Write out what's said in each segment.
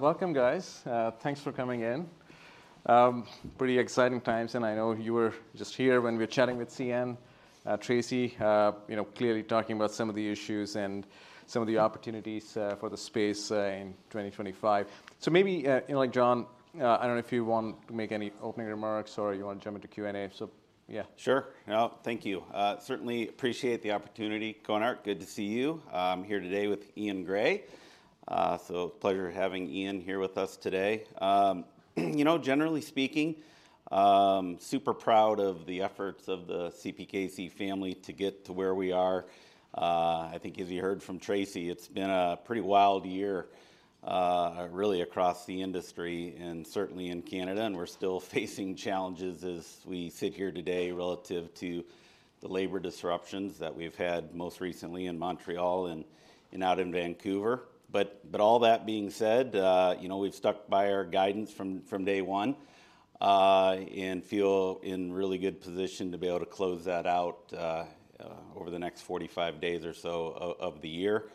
Welcome, guys. Thanks for coming in. Pretty exciting times, and I know you were just here when we were chatting with CN, Tracy. You know, clearly talking about some of the issues and some of the opportunities for the space in 2025, so maybe, you know, like John, I don't know if you want to make any opening remarks or you want to jump into Q&A, so yeah. Sure. No, thank you. Certainly appreciate the opportunity. Konark, good to see you. I'm here today with Ian Gray. So pleasure having Ian here with us today. You know, generally speaking, super proud of the efforts of the CPKC family to get to where we are. I think, as you heard from Tracy, it's been a pretty wild year, really, across the industry and certainly in Canada. And we're still facing challenges as we sit here today relative to the labor disruptions that we've had most recently in Montreal and out in Vancouver. But all that being said, you know, we've stuck by our guidance from day one and feel in really good position to be able to close that out over the next 45 days or so of the year.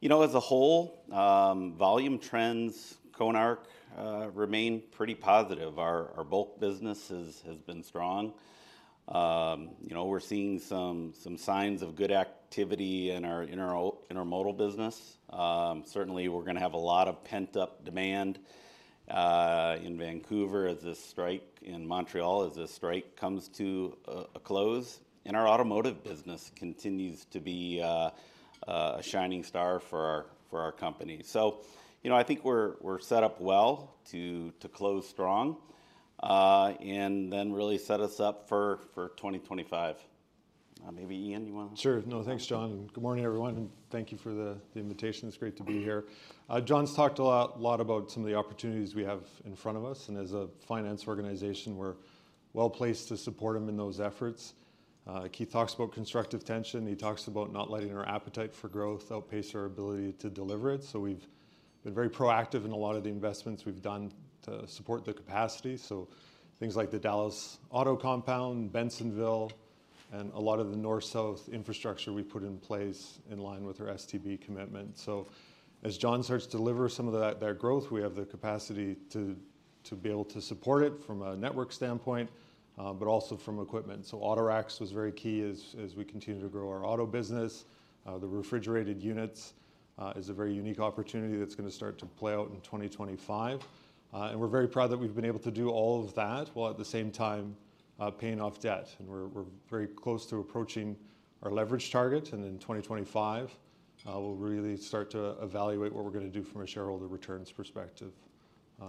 You know, as a whole, volume trends continue to remain pretty positive. Our bulk business has been strong. You know, we're seeing some signs of good activity in our intermodal business. Certainly, we're going to have a lot of pent-up demand in Vancouver as this strike in Montreal comes to a close. And our automotive business continues to be a shining star for our company. So, you know, I think we're set up well to close strong and then really set us up for 2025. Maybe Ian, you want to. Sure. No, thanks, John. Good morning, everyone, and thank you for the invitation. It's great to be here. John's talked a lot about some of the opportunities we have in front of us, and as a finance organization, we're well placed to support him in those efforts. Keith talks about constructive tension. He talks about not letting our appetite for growth outpace our ability to deliver it, so we've been very proactive in a lot of the investments we've done to support the capacity, so things like the Dallas Auto Compound, Bensenville, and a lot of the north-south infrastructure we put in place in line with our STB commitment, so as John starts to deliver some of that growth, we have the capacity to be able to support it from a network standpoint, but also from equipment, so autoracks was very key as we continue to grow our auto business. The refrigerated units is a very unique opportunity that's going to start to play out in 2025. And we're very proud that we've been able to do all of that while at the same time paying off debt. And we're very close to approaching our leverage target. And in 2025, we'll really start to evaluate what we're going to do from a shareholder returns perspective.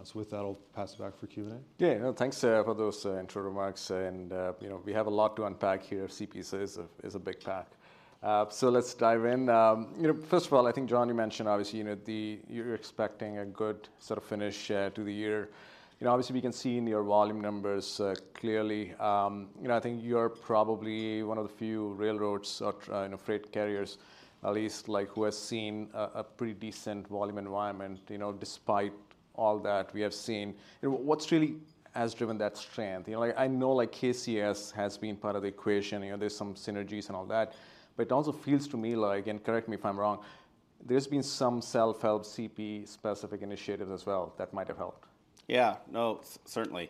So with that, I'll pass it back for Q&A. Yeah, thanks for those intro remarks, and you know, we have a lot to unpack here. CPKC is a big pack. So let's dive in. You know, first of all, I think John, you mentioned obviously, you know, you're expecting a good sort of finish to the year. You know, obviously we can see in your volume numbers clearly. You know, I think you're probably one of the few railroads or freight carriers, at least, like who has seen a pretty decent volume environment. You know, despite all that we have seen, what's really has driven that strength? You know, I know like KCS has been part of the equation. You know, there's some synergies and all that. But it also feels to me like, and correct me if I'm wrong, there's been some self-help CP-specific initiatives as well that might have helped. Yeah, no, certainly.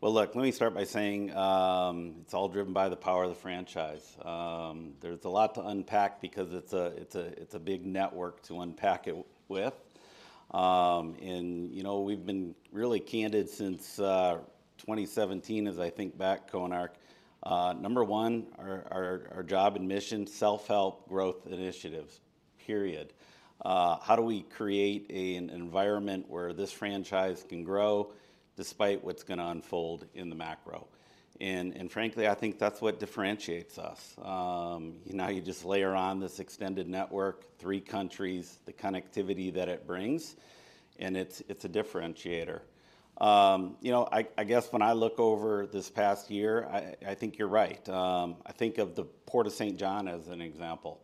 Well, look, let me start by saying it's all driven by the power of the franchise. There's a lot to unpack because it's a big network to unpack it with. And, you know, we've been really candid since 2017, as I think back, Konark. Number one, our job and mission, self-help growth initiatives, period. How do we create an environment where this franchise can grow despite what's going to unfold in the macro? And frankly, I think that's what differentiates us. Now you just layer on this extended network, three countries, the connectivity that it brings, and it's a differentiator. You know, I guess when I look over this past year, I think you're right. I think of the Port Saint John as an example.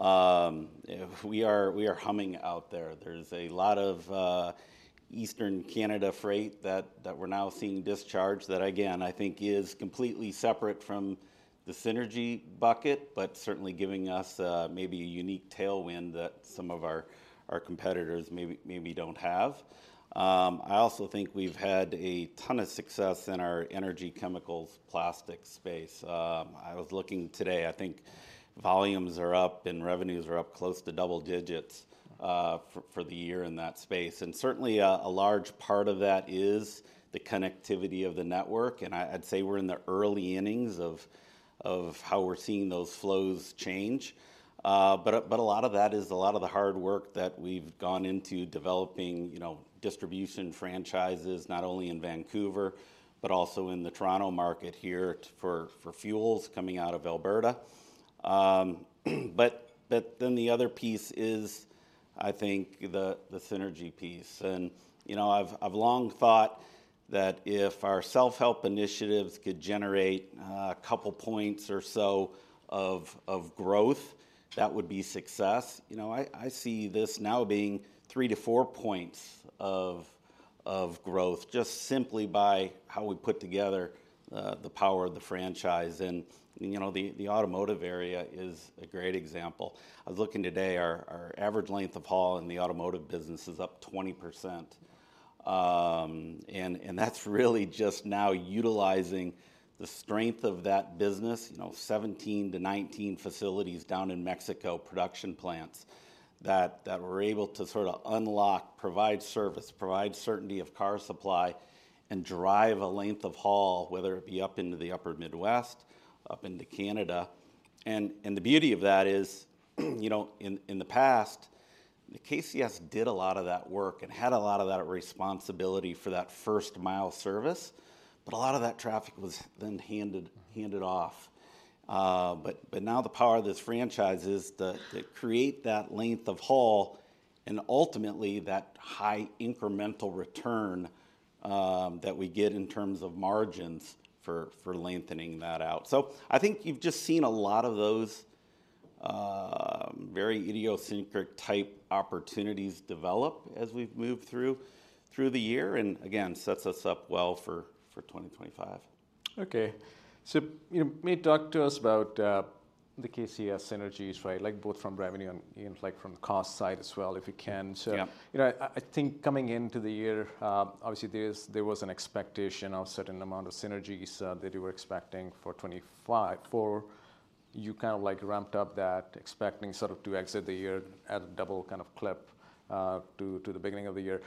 We are humming out there. There's a lot of Eastern Canada freight that we're now seeing discharge that, again, I think is completely separate from the synergy bucket, but certainly giving us maybe a unique tailwind that some of our competitors maybe don't have. I also think we've had a ton of success in our energy, chemicals, plastics space. I was looking today, I think volumes are up and revenues are up close to double digits for the year in that space, and certainly a large part of that is the connectivity of the network, and I'd say we're in the early innings of how we're seeing those flows change, but a lot of that is a lot of the hard work that we've gone into developing, you know, distribution franchises, not only in Vancouver, but also in the Toronto market here for fuels coming out of Alberta. But then the other piece is, I think, the synergy piece. And, you know, I've long thought that if our self-help initiatives could generate a couple points or so of growth, that would be success. You know, I see this now being three to four points of growth just simply by how we put together the power of the franchise. And, you know, the automotive area is a great example. I was looking today, our average length of haul in the automotive business is up 20%. And that's really just now utilizing the strength of that business, you know, 17 to 19 facilities down in Mexico, production plants that we're able to sort of unlock, provide service, provide certainty of car supply and drive a length of haul, whether it be up into the Upper Midwest, up into Canada. And the beauty of that is, you know, in the past, the KCS did a lot of that work and had a lot of that responsibility for that first mile service. But a lot of that traffic was then handed off. But now the power of this franchise is to create that length of haul and ultimately that high incremental return that we get in terms of margins for lengthening that out. So I think you've just seen a lot of those very idiosyncratic type opportunities develop as we've moved through the year and again, sets us up well for 2025. Okay, so you know, maybe talk to us about the KCS synergies, right? Like both from revenue and like from the cost side as well, if we can, so you know, I think coming into the year, obviously there was an expectation of a certain amount of synergies that you were expecting for 2025. For you kind of like ramped up that expecting sort of to exit the year at a double kind of clip to the beginning of the year.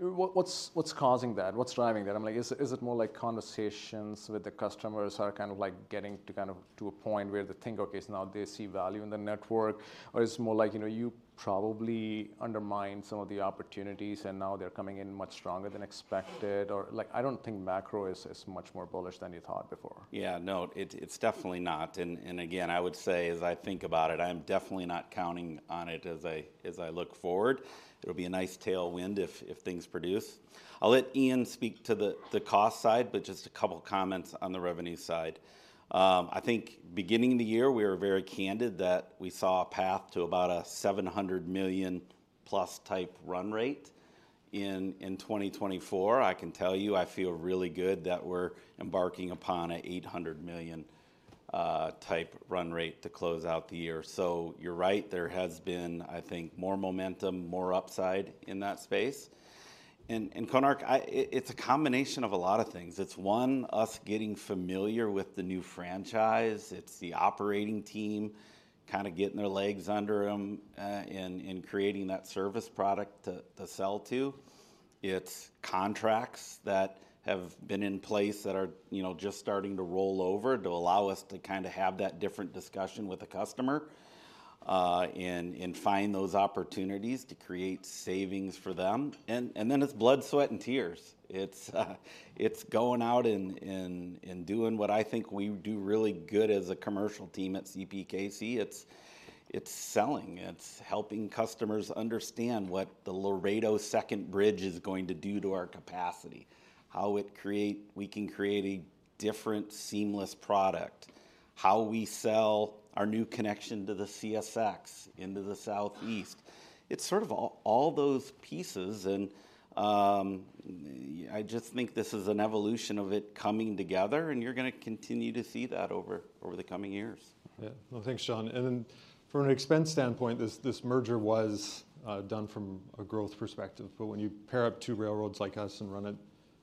What's causing that? What's driving that? I'm like, is it more like conversations with the customers are kind of like getting to kind of to a point where they think, okay, now they see value in the network, or is it more like, you know, you probably undermined some of the opportunities and now they're coming in much stronger than expected? Or like, I don't think macro is much more bullish than you thought before. Yeah, no, it's definitely not. And again, I would say as I think about it, I'm definitely not counting on it as I look forward. It'll be a nice tailwind if things produce. I'll let Ian speak to the cost side, but just a couple comments on the revenue side. I think beginning the year, we were very candid that we saw a path to about a 700 million plus type run rate in 2024. I can tell you, I feel really good that we're embarking upon a 800 million type run rate to close out the year. So you're right, there has been, I think, more momentum, more upside in that space. And Konark, it's a combination of a lot of things. It's one, us getting familiar with the new franchise. It's the operating team kind of getting their legs under them and creating that service product to sell to. It's contracts that have been in place that are, you know, just starting to roll over to allow us to kind of have that different discussion with the customer and find those opportunities to create savings for them. And then it's blood, sweat, and tears. It's going out and doing what I think we do really good as a commercial team at CPKC. It's selling. It's helping customers understand what the Laredo Second Bridge is going to do to our capacity, how we can create a different, seamless product, how we sell our new connection to the CSX into the Southeast. It's sort of all those pieces. And I just think this is an evolution of it coming together. And you're going to continue to see that over the coming years. Yeah. Well, thanks, John. And then from an expense standpoint, this merger was done from a growth perspective. But when you pair up two railroads like us and run it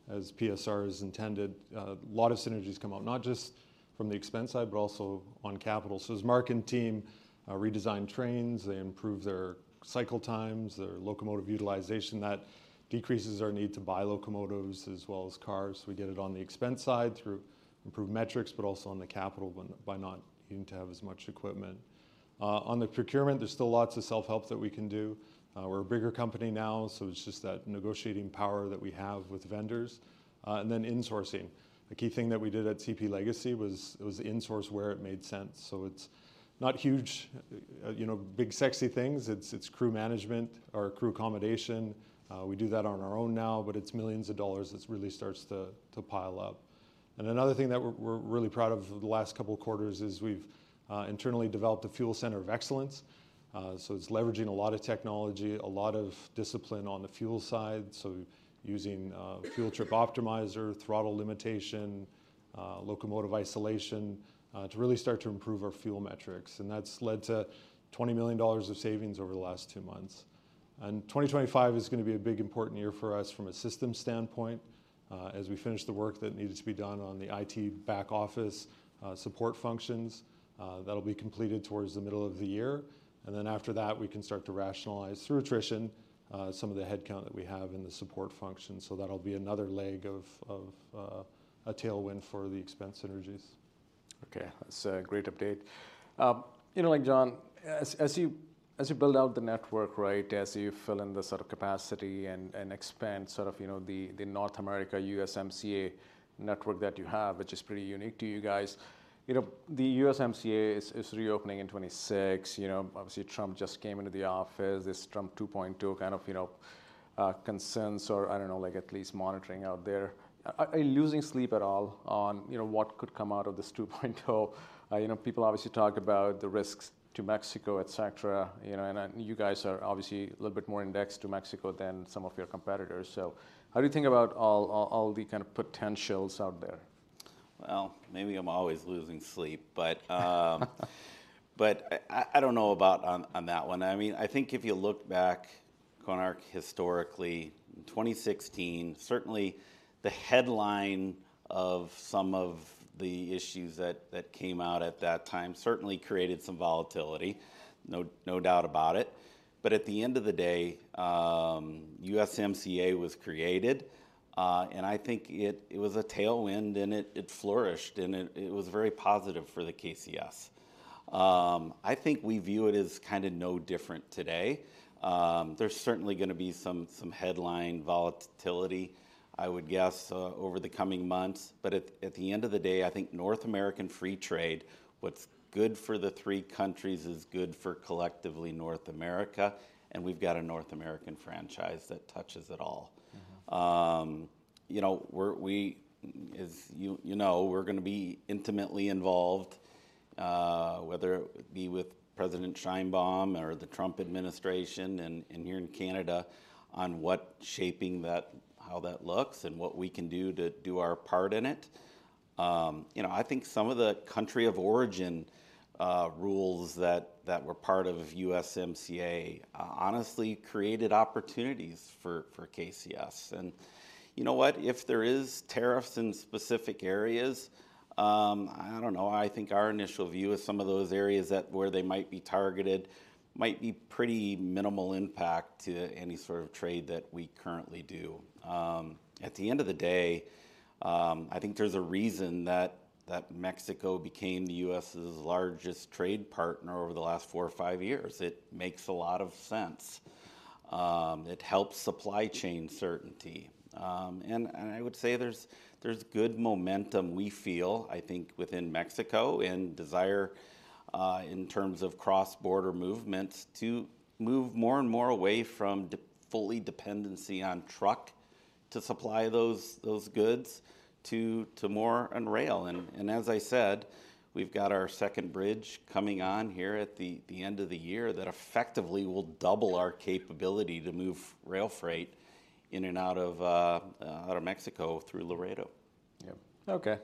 as PSR is intended, a lot of synergies come out, not just from the expense side, but also on capital. So as Mark and team redesign trains, they improve their cycle times, their locomotive utilization. That decreases our need to buy locomotives as well as cars. We get it on the expense side through improved metrics, but also on the capital by not needing to have as much equipment. On the procurement, there's still lots of self-help that we can do. We're a bigger company now, so it's just that negotiating power that we have with vendors. And then insourcing. A key thing that we did at CP Legacy was insource where it made sense. It's not huge, you know, big sexy things. It's crew management or crew accommodation. We do that on our own now, but it's millions of dollars that really starts to pile up. Another thing that we're really proud of the last couple quarters is we've internally developed a Fuel Center of Excellence. It's leveraging a lot of technology, a lot of discipline on the fuel side. Using Fuel Trip Optimizer, throttle limitation, locomotive isolation to really start to improve our fuel metrics. That's led to $20 million of savings over the last two months. 2025 is going to be a big important year for us from a system standpoint as we finish the work that needed to be done on the IT back office support functions that'll be completed towards the middle of the year. And then after that, we can start to rationalize through attrition some of the headcount that we have in the support function. So that'll be another leg of a tailwind for the expense synergies. Okay. That's a great update. You know, like John, as you build out the network, right, as you fill in the sort of capacity and expand sort of, you know, the North America USMCA network that you have, which is pretty unique to you guys. You know, the USMCA is reopening in 2026. You know, obviously Trump just came into the office. This Trump 2.0 kind of, you know, concerns or, I don't know, like at least monitoring out there. Are you losing sleep at all on, you know, what could come out of this 2.0? You know, people obviously talk about the risks to Mexico, et cetera. You know, and you guys are obviously a little bit more indexed to Mexico than some of your competitors. So how do you think about all the kind of potentials out there? Maybe I'm always losing sleep, but I don't know about on that one. I mean, I think if you look back, Konark, historically in 2016, certainly the headline of some of the issues that came out at that time certainly created some volatility. No doubt about it. At the end of the day, USMCA was created. I think it was a tailwind and it flourished. It was very positive for the KCS. I think we view it as kind of no different today. There's certainly going to be some headline volatility, I would guess, over the coming months. At the end of the day, I think North American free trade, what's good for the three countries, is good for collectively North America. We've got a North American franchise that touches it all. You know, as you know, we're going to be intimately involved, whether it be with President Sheinbaum or the Trump administration and here in Canada on what shaping that, how that looks and what we can do to do our part in it. You know, I think some of the country of origin rules that were part of USMCA honestly created opportunities for KCS. And you know what, if there is tariffs in specific areas, I don't know, I think our initial view is some of those areas that where they might be targeted might be pretty minimal impact to any sort of trade that we currently do. At the end of the day, I think there's a reason that Mexico became the U.S.'s largest trade partner over the last four or five years. It makes a lot of sense. It helps supply chain certainty. I would say there's good momentum, we feel, I think, within Mexico and desire in terms of cross-border movements to move more and more away from fully dependency on truck to supply those goods to more on rail. As I said, we've got our second bridge coming on here at the end of the year that effectively will double our capability to move rail freight in and out of Mexico through Laredo. Yeah. Okay.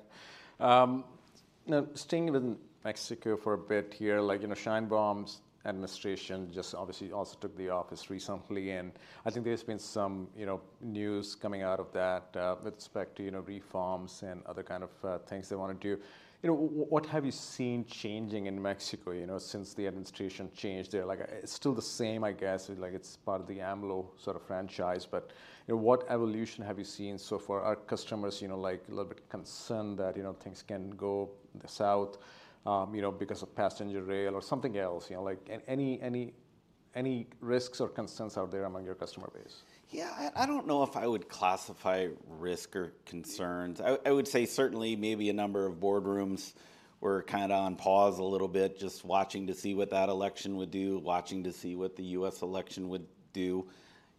Now staying within Mexico for a bit here, like you know, Sheinbaum's administration just obviously also took the office recently, and I think there's been some, you know, news coming out of that with respect to, you know, reforms and other kind of things they want to do. You know, what have you seen changing in Mexico, you know, since the administration changed there? Like it's still the same, I guess, like it's part of the AMLO sort of franchise, but you know, what evolution have you seen so far? Are customers, you know, like a little bit concerned that, you know, things can go south, you know, because of passenger rail or something else, you know, like any risks or concerns out there among your customer base? Yeah, I don't know if I would classify risk or concerns. I would say certainly maybe a number of boardrooms were kind of on pause a little bit, just watching to see what that election would do, watching to see what the U.S. election would do.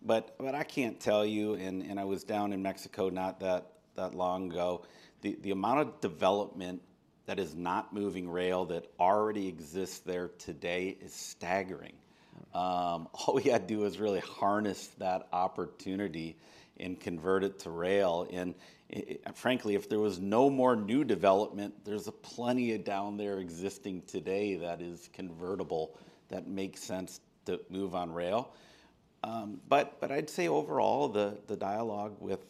But I can't tell you, and I was down in Mexico not that long ago, the amount of development that is not moving rail that already exists there today is staggering. All we had to do was really harness that opportunity and convert it to rail. And frankly, if there was no more new development, there's plenty of down there existing today that is convertible that makes sense to move on rail. But I'd say overall, the dialogue with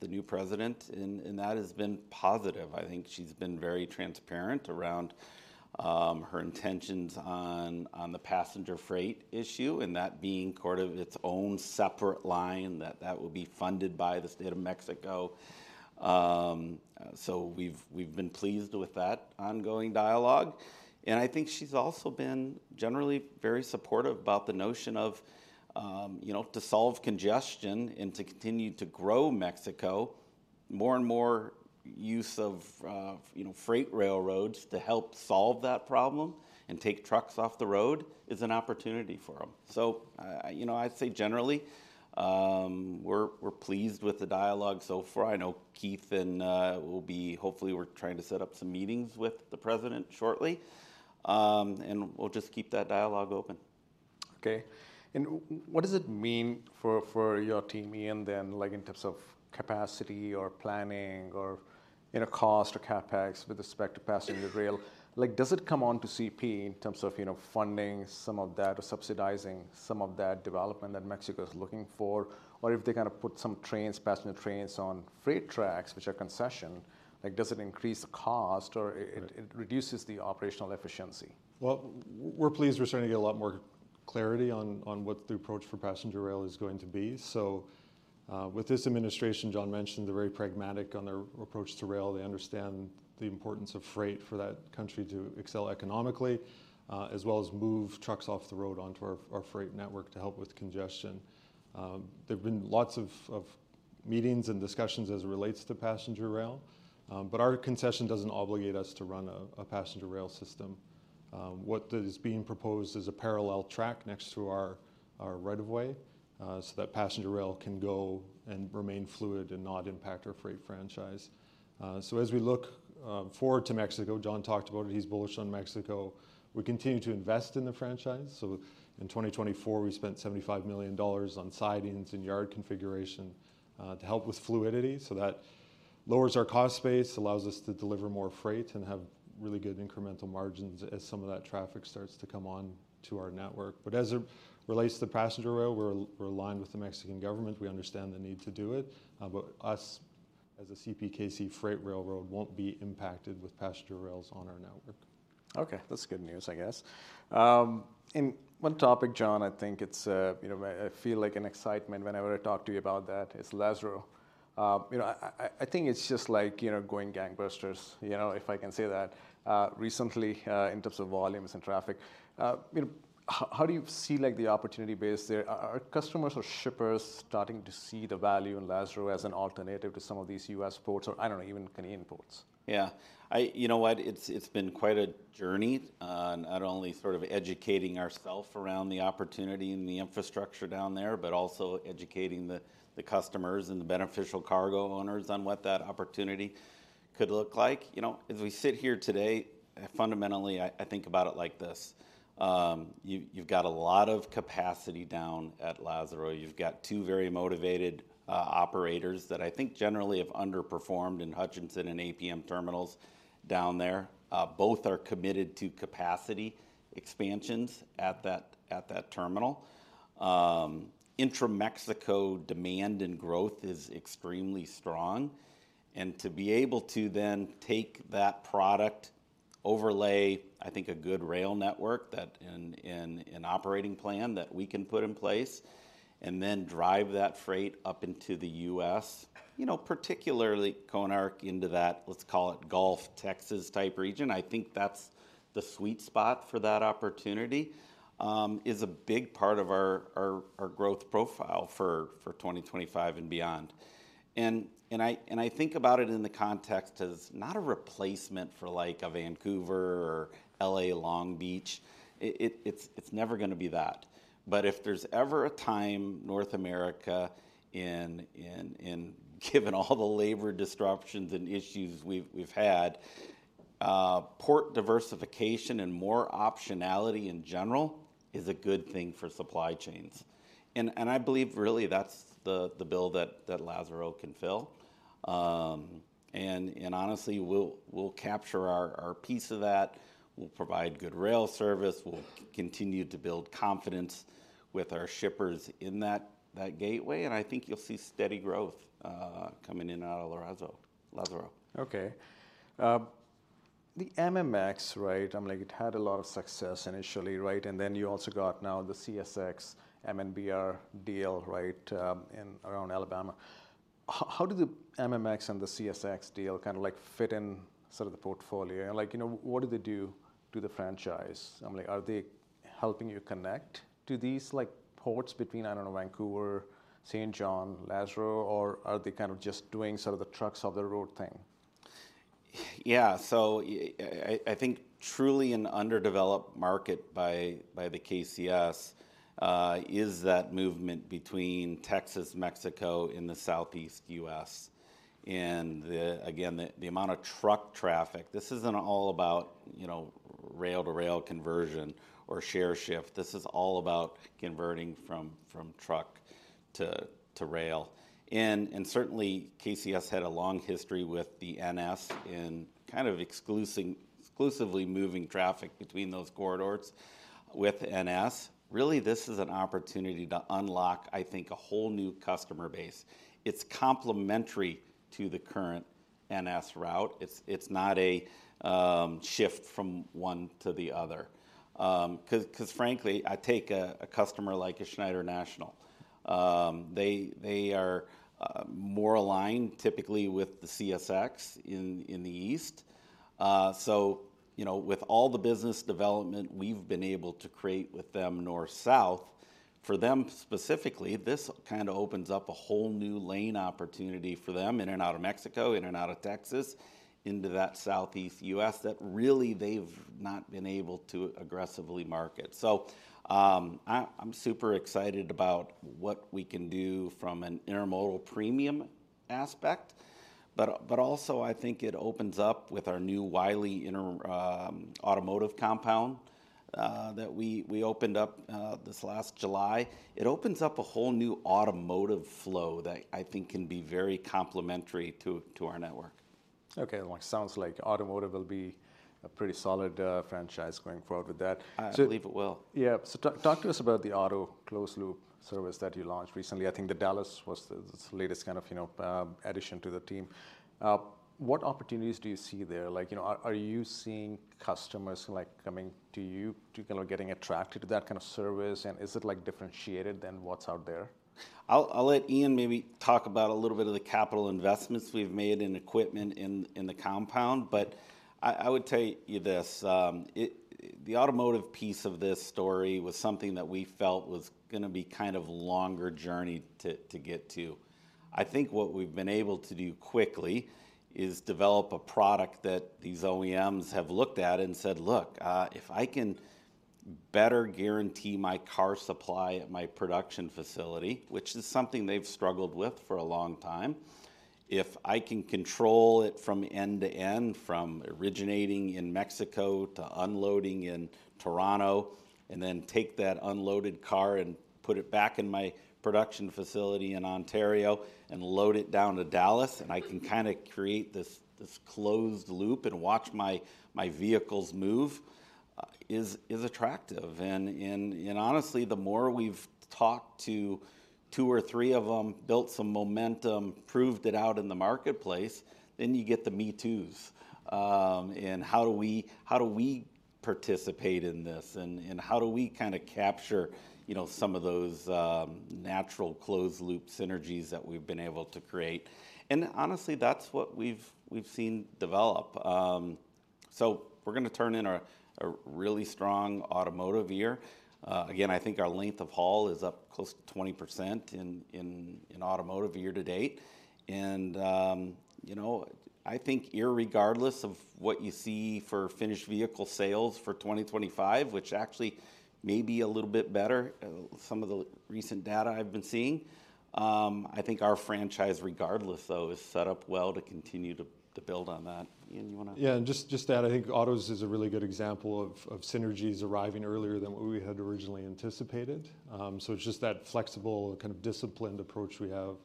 the new president in that has been positive. I think she's been very transparent around her intentions on the passenger freight issue and that being sort of its own separate line that will be funded by the state of Mexico, so we've been pleased with that ongoing dialogue. And I think she's also been generally very supportive about the notion of, you know, to solve congestion and to continue to grow Mexico, more and more use of, you know, freight railroads to help solve that problem and take trucks off the road is an opportunity for them, so, you know, I'd say generally we're pleased with the dialogue so far. I know Keith and we'll hopefully be trying to set up some meetings with the president shortly, and we'll just keep that dialogue open. Okay. And what does it mean for your team, Ian, then like in terms of capacity or planning or, you know, cost or CapEx with respect to passenger rail? Like does it come on to CP in terms of, you know, funding some of that or subsidizing some of that development that Mexico is looking for? Or if they kind of put some trains, passenger trains on freight tracks, which are concession, like does it increase the cost or it reduces the operational efficiency? We're pleased we're starting to get a lot more clarity on what the approach for passenger rail is going to be. With this administration, John mentioned they're very pragmatic on their approach to rail. They understand the importance of freight for that country to excel economically, as well as move trucks off the road onto our freight network to help with congestion. There've been lots of meetings and discussions as it relates to passenger rail. But our concession doesn't obligate us to run a passenger rail system. What is being proposed is a parallel track next to our right of way so that passenger rail can go and remain fluid and not impact our freight franchise. As we look forward to Mexico, John talked about it, he's bullish on Mexico. We continue to invest in the franchise. So in 2024, we spent $75 million on sidings and yard configuration to help with fluidity. So that lowers our cost space, allows us to deliver more freight and have really good incremental margins as some of that traffic starts to come on to our network. But as it relates to the passenger rail, we're aligned with the Mexican government. We understand the need to do it. But us as a CPKC freight railroad won't be impacted with passenger rails on our network. Okay. That's good news, I guess. And one topic, John, I think it's, you know, I feel like an excitement whenever I talk to you about that is Lázaro. You know, I think it's just like, you know, going gangbusters, you know, if I can say that recently in terms of volumes and traffic. You know, how do you see like the opportunity base there? Are customers or shippers starting to see the value in Lázaro as an alternative to some of these U.S ports or, I don't know, even Canadian ports? Yeah. You know what, it's been quite a journey. Not only sort of educating ourselves around the opportunity and the infrastructure down there, but also educating the customers and the beneficial cargo owners on what that opportunity could look like. You know, as we sit here today, fundamentally I think about it like this. You've got a lot of capacity down at Lázaro. You've got two very motivated operators that I think generally have underperformed in Hutchison and APM Terminals down there. Both are committed to capacity expansions at that terminal. Intra-Mexico demand and growth is extremely strong. And to be able to then take that product, overlay, I think a good rail network that, in an operating plan that we can put in place and then drive that freight up into the US, you know, particularly corner into that, let's call it Gulf Texas type region, I think that's the sweet spot for that opportunity is a big part of our growth profile for 2025 and beyond. And I think about it in the context as not a replacement for like a Vancouver or L.A. Long Beach. It's never going to be that. But if there's ever a time North America, given all the labor disruptions and issues we've had, port diversification and more optionality in general is a good thing for supply chains. And I believe really that's the bill that Lázaro can fill. And honestly, we'll capture our piece of that. We'll provide good rail service. We'll continue to build confidence with our shippers in that gateway, and I think you'll see steady growth coming in out of Lázaro. Okay. The MMX, right? I mean, like it had a lot of success initially, right? And then you also got now the CSX MNBR deal, right? And around Alabama. How do the MMX and the CSX deal kind of like fit in sort of the portfolio? And like, you know, what do they do to the franchise? I mean, like are they helping you connect to these like ports between, I don't know, Vancouver, Saint John, Lázaro, or are they kind of just doing sort of the trucks off the road thing? Yeah. So I think truly an underdeveloped market by the KCS is that movement between Texas, Mexico in the Southeast US, and again, the amount of truck traffic. This isn't all about, you know, rail to rail conversion or share shift. This is all about converting from truck to rail, and certainly KCS had a long history with the NS in kind of exclusively moving traffic between those corridors with NS. Really, this is an opportunity to unlock, I think, a whole new customer base. It's complementary to the current NS route. It's not a shift from one to the other. Because frankly, I take a customer like a Schneider National. They are more aligned typically with the CSX in the east. You know, with all the business development we've been able to create with them north-south, for them specifically, this kind of opens up a whole new lane opportunity for them in and out of Mexico, in and out of Texas into that Southeast U.S. that really they've not been able to aggressively market. So I'm super excited about what we can do from an intermodal premium aspect. But also I think it opens up with our new Wylie automotive compound that we opened up this last July. It opens up a whole new automotive flow that I think can be very complementary to our network. Okay. Sounds like automotive will be a pretty solid franchise going forward with that. I believe it will. Yeah. So talk to us about the auto closed loop service that you launched recently. I think the Dallas was the latest kind of, you know, addition to the team. What opportunities do you see there? Like, you know, are you seeing customers like coming to you, you know, getting attracted to that kind of service? And is it like differentiated than what's out there? I'll let Ian maybe talk about a little bit of the capital investments we've made in equipment in the compound. But I would tell you this. The automotive piece of this story was something that we felt was going to be kind of a longer journey to get to. I think what we've been able to do quickly is develop a product that these OEMs have looked at and said, "Look, if I can better guarantee my car supply at my production facility," which is something they've struggled with for a long time, "if I can control it from end to end, from originating in Mexico to unloading in Toronto, and then take that unloaded car and put it back in my production facility in Ontario and load it down to Dallas, and I can kind of create this closed loop and watch my vehicles move," is attractive. And honestly, the more we've talked to two or three of them, built some momentum, proved it out in the marketplace, then you get the me toos. And how do we participate in this? And how do we kind of capture, you know, some of those natural closed loop synergies that we've been able to create? And honestly, that's what we've seen develop. So we're going to turn in a really strong automotive year. Again, I think our length of haul is up close to 20% in automotive year to date. And, you know, I think irregardless of what you see for finished vehicle sales for 2025, which actually may be a little bit better, some of the recent data I've been seeing, I think our franchise regardless though is set up well to continue to build on that. Ian. Yeah. And just that, I think autos is a really good example of synergies arriving earlier than what we had originally anticipated. So it's just that flexible kind of disciplined approach we have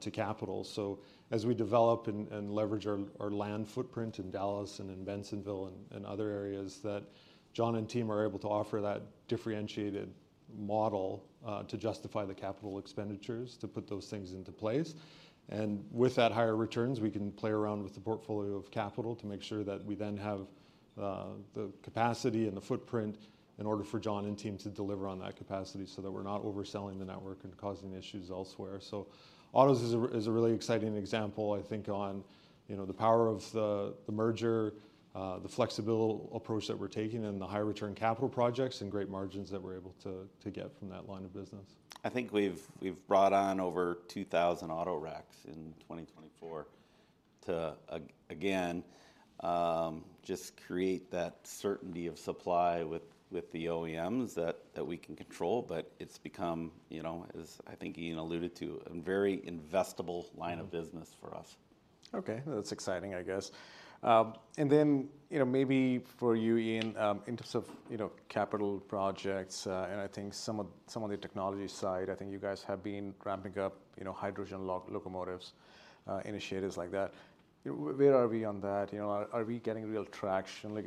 to capital. So as we develop and leverage our land footprint in Dallas and in Bensenville and other areas that John and team are able to offer that differentiated model to justify the capital expenditures to put those things into place. And with that higher returns, we can play around with the portfolio of capital to make sure that we then have the capacity and the footprint in order for John and team to deliver on that capacity so that we're not overselling the network and causing issues elsewhere. Autos is a really exciting example, I think, on, you know, the power of the merger, the flexible approach that we're taking, and the high return capital projects and great margins that we're able to get from that line of business. I think we've brought on over 2,000 auto racks in 2024 to again, just create that certainty of supply with the OEMs that we can control. But it's become, you know, as I think Ian alluded to, a very investable line of business for us. Okay. That's exciting, I guess. And then, you know, maybe for you, Ian, in terms of, you know, capital projects and I think some of the technology side, I think you guys have been ramping up, you know, hydrogen locomotives, initiatives like that. Where are we on that? You know, are we getting real traction? Like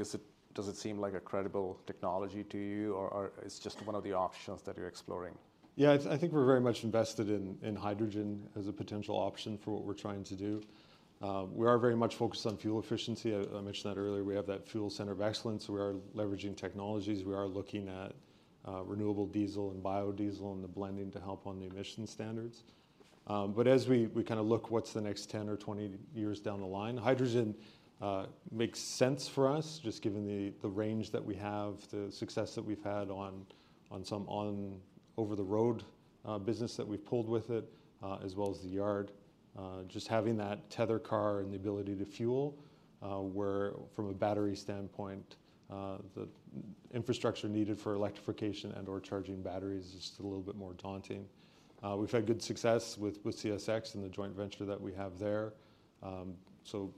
does it seem like a credible technology to you or it's just one of the options that you're exploring? Yeah. I think we're very much invested in hydrogen as a potential option for what we're trying to do. We are very much focused on fuel efficiency. I mentioned that earlier. We have that Fuel Center of Excellence. We are leveraging technologies. We are looking at renewable diesel and biodiesel and the blending to help on the emission standards. But as we kind of look what's the next 10 or 20 years down the line, hydrogen makes sense for us just given the range that we have, the success that we've had on some on over the road business that we've pulled with it, as well as the yard. Just having that tether car and the ability to fuel where from a battery standpoint, the infrastructure needed for electrification and/or charging batteries is just a little bit more daunting. We've had good success with CSX and the joint venture that we have there, so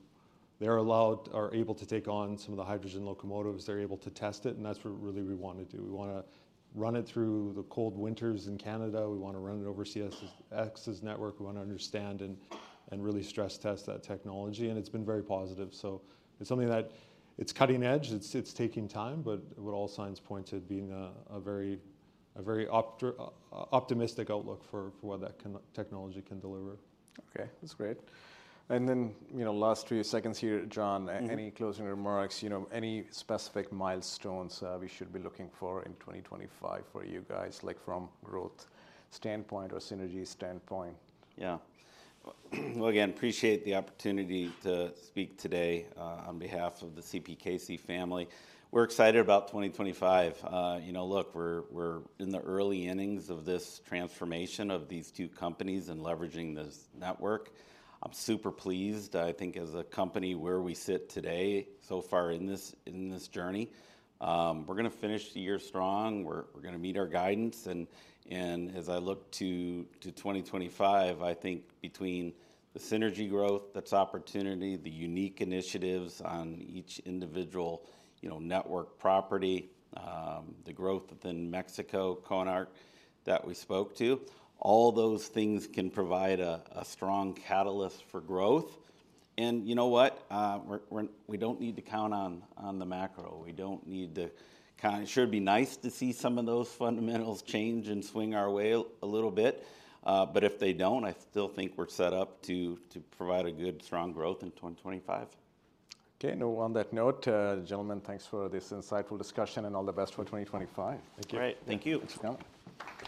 they are allowed, are able to take on some of the hydrogen locomotives. They're able to test it, and that's what really we want to do. We want to run it through the cold winters in Canada. We want to run it over CSX's network. We want to understand and really stress test that technology, and it's been very positive, so it's something that it's cutting edge. It's taking time, but with all signs pointed being a very optimistic outlook for what that technology can deliver. Okay. That's great and then, you know, last few seconds here, John, any closing remarks, you know, any specific milestones we should be looking for in 2025 for you guys like from growth standpoint or synergy standpoint? Yeah. Well, again, appreciate the opportunity to speak today on behalf of the CPKC family. We're excited about 2025. You know, look, we're in the early innings of this transformation of these two companies and leveraging this network. I'm super pleased. I think as a company where we sit today so far in this journey, we're going to finish the year strong. We're going to meet our guidance. And as I look to 2025, I think between the synergy growth that's opportunity, the unique initiatives on each individual, you know, network property, the growth within Mexico, Konark that we spoke to, all those things can provide a strong catalyst for growth. And you know what, we don't need to count on the macro. We don't need to kind of, it should be nice to see some of those fundamentals change and swing our way a little bit. But if they don't, I still think we're set up to provide a good strong growth in 2025. Okay, and on that note, gentlemen, thanks for this insightful discussion and all the best for 2025. Thank you. Thank you.